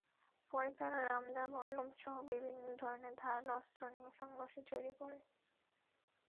পরে তাঁরা রামদা, বল্লমসহ বিভিন্ন ধরনের ধারালো অস্ত্র নিয়ে সংঘর্ষে জড়িয়ে পড়েন।